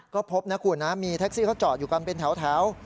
ก็พบนะคุณนะมีแท็กซี่เขาจอดอยู่กันเป็นแถว